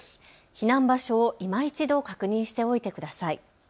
避難場所をいま一度確認しておいてください。